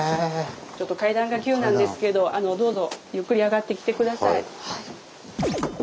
ちょっと階段が急なんですけどどうぞゆっくり上がってきて下さい。